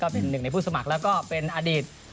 เป็นหนึ่งในผู้สมัครแล้วก็เป็นอดีต